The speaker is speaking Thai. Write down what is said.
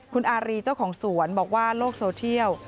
คุณอารีเจ้าของสวนบอกว่าโลกโซเทียล